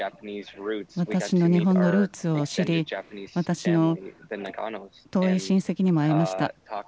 私の日本のルーツを知り、私の遠い親戚にも会いました。